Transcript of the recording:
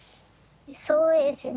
そうですね。